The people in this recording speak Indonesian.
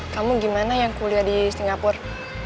kamu gimana yang kuliah di singapura